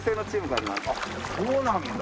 あっそうなんだ。